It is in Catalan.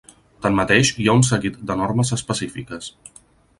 Tanmateix hi ha un seguit de normes específiques.